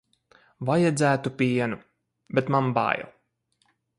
Vajadzētu pienu, bet man bail.